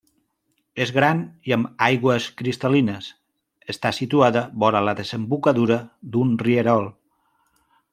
És gran i amb aigües cristal·lines Està situada vora la desembocadura d'un rierol.